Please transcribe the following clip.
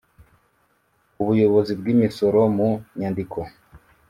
ubuyobozi bw imisoro mu nyandiko